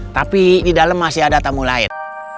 tapi di dalam masih ada tamu lain